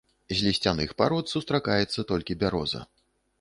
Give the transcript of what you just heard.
З лісцяных парод сустракаецца толькі бяроза.